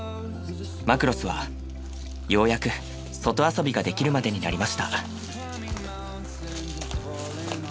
マクロスはようやく外遊びができるまでになりました。